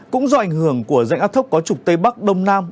cũng do ảnh hưởng của rãnh áp thấp có trục tây bắc đông nam